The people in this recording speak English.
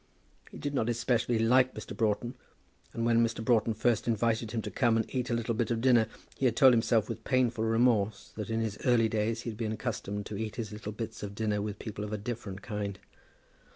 He did not especially like Mr. Broughton; and when Mr. Broughton first invited him to come and eat a little bit of dinner, he had told himself with painful remorse that in his early days he had been accustomed to eat his little bits of dinner with people of a different kind.